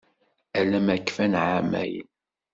Ala ma kfan εamayan.